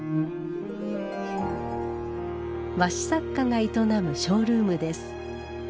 和紙作家が営むショールームです。